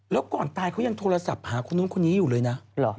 แล้วก่อนตายเขายังโทรศัพท์หาคนนู้นคนนี้อยู่เลยนะ